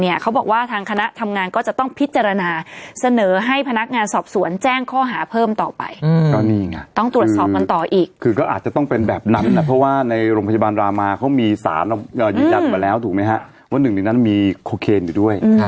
ยืนยันมาแล้วถูกมั้ยฮะว่าหนึ่งหรือนั้นมีคโคเคนอยู่ด้วย